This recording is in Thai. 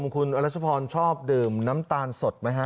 คุณอรัชพรชอบดื่มน้ำตาลสดไหมฮะ